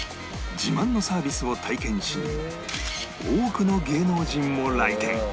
自慢のサービスを体験し多くの芸能人も来店